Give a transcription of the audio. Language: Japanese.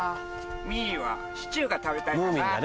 ミイはシチューが食べたいかな。